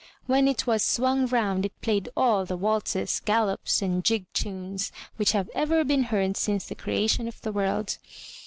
When it was swung round it played all the waltzes, gallops and jig tunes which have ever been heard since the creation of the world.